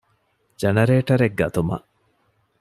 ޖަނަރޭޓަރެއް ގަތުމަށް